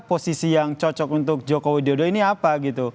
posisi yang cocok untuk jokowi dodo ini apa